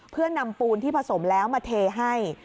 เพื่อนำปูนที่ผสมแล้วมาเทให้